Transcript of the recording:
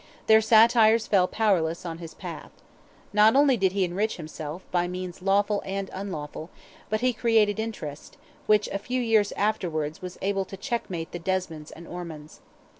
Their satires fell powerless on his path. Not only did he enrich himself, by means lawful and unlawful, but he created interest, which, a few years afterwards, was able to checkmate the Desmonds and Ormonds.